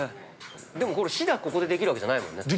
でも、試打、ここでできるわけじゃないもんね。